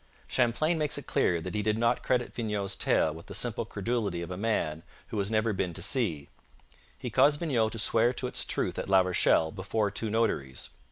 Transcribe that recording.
Champlain makes it clear that he did not credit Vignau's tale with the simple credulity of a man who has never been to sea. He caused Vignau to swear to its truth at La Rochelle before two notaries.